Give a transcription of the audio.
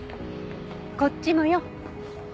こっちもよ！